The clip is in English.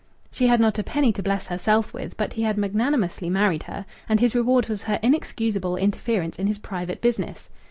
She had not a penny to bless herself with, but he had magnanimously married her; and his reward was her inexcusable interference in his private business.